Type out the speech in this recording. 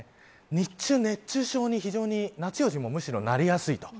日中、熱中症に夏よりも、むしろなりやすい。